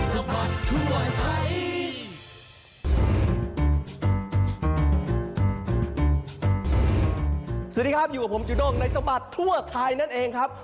สวัสดีครับอยู่กับผมจูด้งในสบัดทั่วไทยนั่นเองครับ